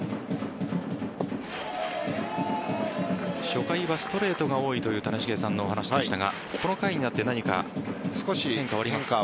初回はストレートが多いという谷繁さんのお話でしたがこの回になって何か変化はありますか？